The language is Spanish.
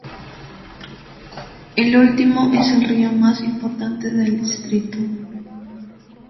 El último es el río más importante del distrito.